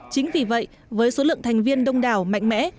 chính vì vậy với số lượng thành viên đông đảo mạnh mẽ